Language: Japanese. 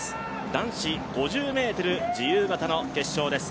男子５０ｍ自由形の決勝です。